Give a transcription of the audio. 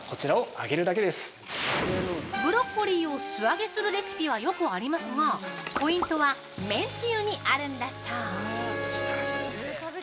ブロッコリーを素揚げするレシピはよくありますが、ポイントは麺つゆにあるんだそう。